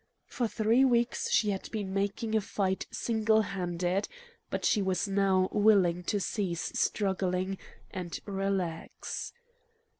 For three weeks she had been making a fight single handed. But she was now willing to cease struggling and relax.